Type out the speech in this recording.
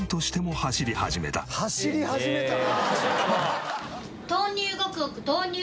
走り始めたな。